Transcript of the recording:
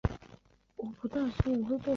一年后回国担任财政部监察员。